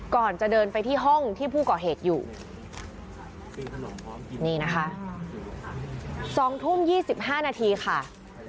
ก่อนจะเดินไปที่ห้องที่ผู้ก่อเหตุอยู่นี่นะคะ๒ทุ่ม๒๕นาทีค่ะ